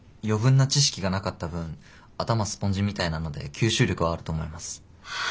余分な知識がなかった分頭スポンジみたいなので吸収力はあると思います。